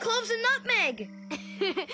ウフフフッ！